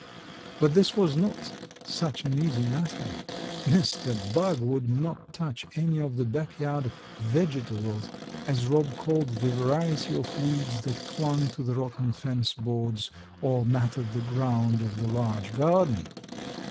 But this was not such an easy matter. Mr. Bug would not touch any of the back yard "vegetables," as Rob called the variety of weeds that clung to the rotten fence boards or matted the ground of the large garden.